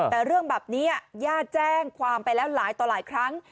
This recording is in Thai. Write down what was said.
แต่เรื่องแบบนี้ญาติแจ้งความไปแล้วหลายต่อหลายครั้ง